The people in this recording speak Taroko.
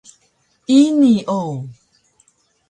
Ini o!